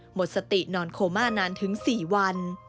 หมดสตินอนโคม่านานถึง๔วัน